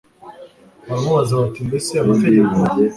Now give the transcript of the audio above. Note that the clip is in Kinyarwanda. baramubaza bati mbese amategeko